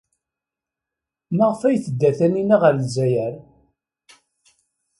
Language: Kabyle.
Maɣef ay tedda Taninna ɣer Lezzayer?